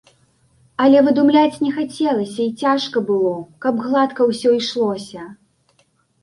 Але выдумляць не хацелася, і цяжка было, каб гладка ўсё ішлося.